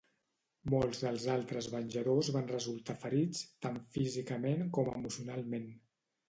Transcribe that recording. Molts dels altres Venjadors van resultar ferits, tant físicament com emocionalment.